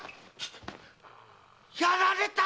やられた！